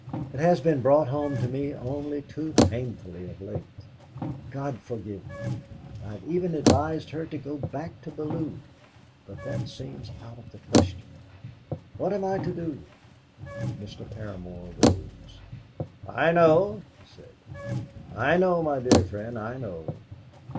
It has been brought home to me only too painfully of late. God forgive me! I have even advised her to go back to Bellew, but that seems out of the question. What am I to do?" Mr. Paramor rose. "I know," he said "I know. My dear friend, I know!"